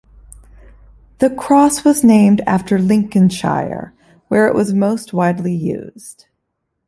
The cross was named after Lincolnshire where it was most widely used.